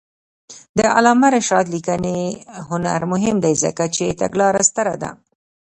د علامه رشاد لیکنی هنر مهم دی ځکه چې تګلاره ستره ده.